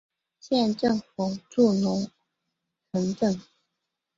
县政府驻龙城镇。